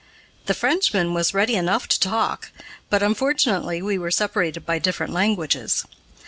The Frenchman was ready enough to talk, but, unfortunately, we were separated by different languages.